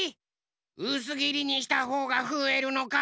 うすぎりにしたほうがふえるのか。